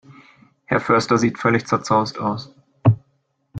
Herr Förster sieht völlig zerzaust aus.